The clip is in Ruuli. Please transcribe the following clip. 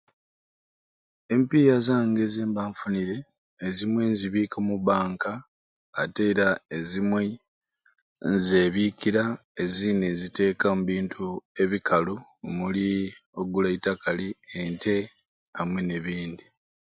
Empiiya zange zemba nfunire ezimwei nzibika omu bank ate era ezimwei nzebikira ezindi nziteka omu bintu ebikalu omuli ogula eitakali ente amwei nebindi